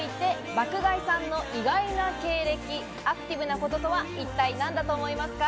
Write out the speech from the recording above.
ミス日本に続いて爆買いさんの意外な経歴、アクティブなこととは一体何だと思いますか？